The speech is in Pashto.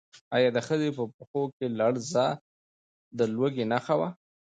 ایا د ښځې په پښو کې لړزه د لوږې نښه وه؟